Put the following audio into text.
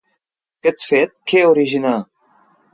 Aquest fet, què originà?